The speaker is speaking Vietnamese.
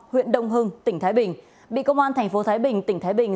huyện đông hưng tỉnh thái bình bị công an thành phố thái bình tỉnh thái bình